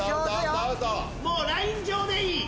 もうライン上でいい。